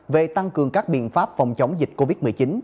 về tăng cường các biện pháp phòng chống dịch covid một mươi chín